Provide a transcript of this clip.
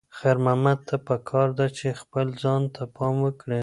خیر محمد ته پکار ده چې خپل ځان ته پام وکړي.